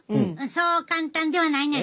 そう簡単ではないねん。